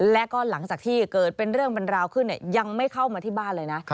แล้วก็หลังจากที่เกิดเป็นเรื่องเป็นราวขึ้นยังไม่เข้ามาที่บ้านเลยนะ